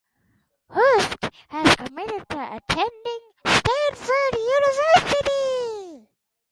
Huske has committed to attending Stanford University.